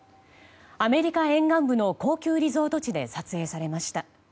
アメリカ沿岸部の高級リゾート地で撮影されました。